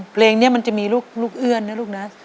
เพลงนี้มันจะมีลูกเอื้อนนะลูกนะ